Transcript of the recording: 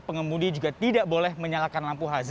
pengemudi juga tidak boleh menyalahkan